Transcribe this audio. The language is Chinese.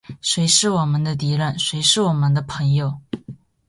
谁是我们的敌人？谁是我们的朋友？